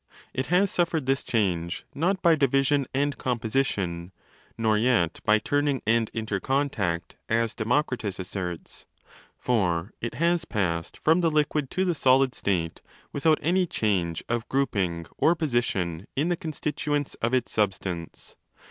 It has suffered this change not by 'division' and 'composition', nor yet by ' turning' and 'intercontact' 20 as Demokritos asserts ; for it has passed from the liquid to the solid state without any change of 'grouping' or 'position' in the constituents of its substance.